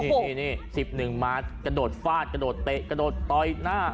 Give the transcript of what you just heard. นี่นี่นี่สิบหนึ่งมากระโดดฟาดกระโดดเตะกระโดดตอยหน้า